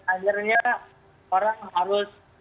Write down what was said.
akhirnya orang harus